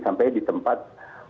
sampai di tempat